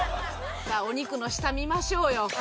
さあお肉の下見ましょうよ。